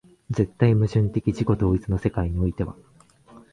絶対矛盾的自己同一の世界においては、